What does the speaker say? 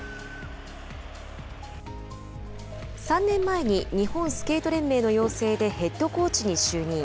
３年前に日本スケート連盟の要請でヘッドコーチに就任。